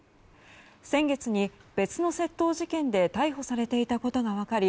先月に別の窃盗事件で逮捕されていたことが分かり